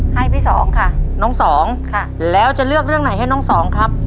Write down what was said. ให้พี่สองค่ะน้องสองค่ะแล้วจะเลือกเรื่องไหนให้น้องสองครับ